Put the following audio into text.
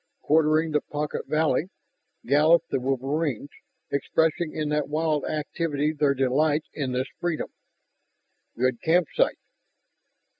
Quartering the pocket valley, galloped the wolverines, expressing in that wild activity their delight in this freedom. "Good campsite."